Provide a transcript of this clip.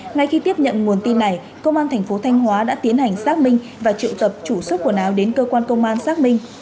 ngay khi tiếp nhận nguồn tin này công an thành phố thanh hóa đã tiến hành xác minh và triệu tập chủ số quần áo đến cơ quan công an xác minh